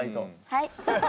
はい。